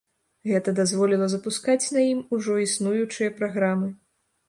Гэта дазволіла запускаць на ім ужо існуючыя праграмы.